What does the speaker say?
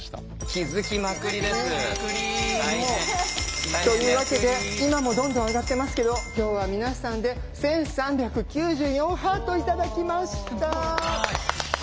気づきまくり。というわけで今もどんどん上がってますけど今日は皆さんで１，３９４ハート頂きました！